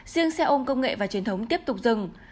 riêng xe ôm công nghệ và truyền thống tiếp tục dừng